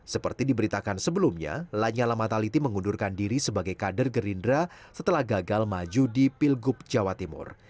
seperti diberitakan sebelumnya lanyala mataliti mengundurkan diri sebagai kader gerindra setelah gagal maju di pilgub jawa timur